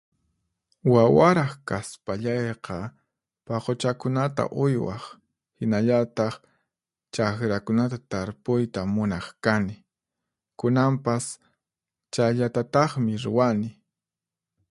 Wawaraq kaspallayqa, paquchakunata uywaq, hinallataq chaqrakunata tarpuyta munaq kani. Kunanpas chayllatataqmi ruwani.